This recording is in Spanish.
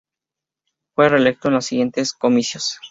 Fue reelecto en los siguientes comicios.